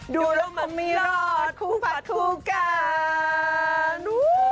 ดูแล้วมันไม่รอดคู่ผาคู่กัน